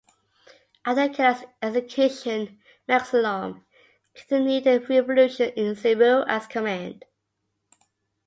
After Kilat's execution, Maxilom continued the revolution in Cebu as command.